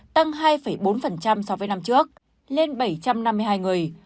tăng hai bốn so với năm trước lên bảy trăm năm mươi hai người